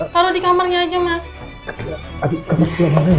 taruh di kamarnya aja mas